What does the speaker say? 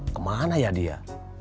kemana ya dia